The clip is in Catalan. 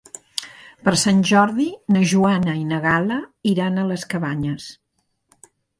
Per Sant Jordi na Joana i na Gal·la iran a les Cabanyes.